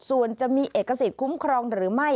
ส่วนจะมีเอกสิทธิ์คุ้มครองหรือไม่